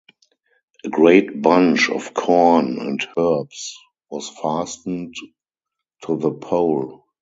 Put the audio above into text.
A great bunch of corn and herbs was fastened to the pole.